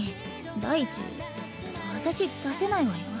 第一私出せないわよ。